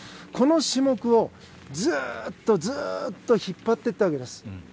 この種目をずっとずっと引っ張っていたわけです。